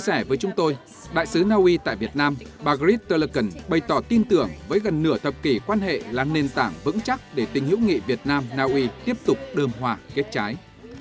chia sẻ với chúng tôi đại sứ na uy tại việt nam bà greets vivre thulegn bày tỏ tin tưởng với gần nửa thập kỷ quan hệ là nền tảng vững chắc để tinh hiệu nghị việt nam na uy tiếp tục đơn hòa kết trái